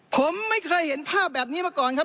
ผมไม่เคยเห็นภาพแบบนี้มาก่อนครับ